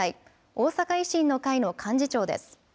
大阪維新の会の幹事長です。